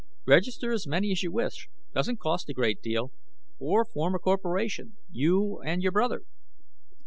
Register as many as you wish. Doesn't cost a great deal. Or form a corporation, you and your brother."